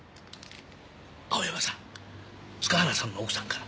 青山さん塚原さんの奥さんから。